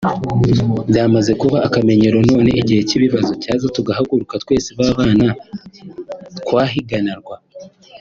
byamaze kuba akamenyero noneho igihe cy’ibibazo cyaza tugahaguruka twese ba bana twahiganarwa